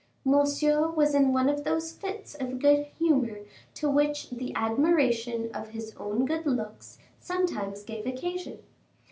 Monsieur was in one of those fits of good humor to which the admiration of his own good looks sometimes gave occasion.